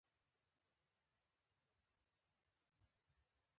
هغوی چې غله وو هم یې ناموسونو ته کستاخي نه کوله.